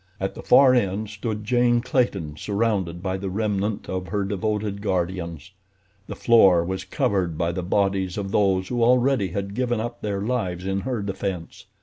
At the far end stood Jane Clayton surrounded by the remnant of her devoted guardians. The floor was covered by the bodies of those who already had given up their lives in her defense.